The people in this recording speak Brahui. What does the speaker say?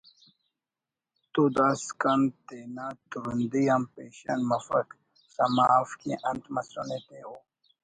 تو داسکان تینا ترندی آن پیشن مفک سما اف کہ انت مسنے تے …… او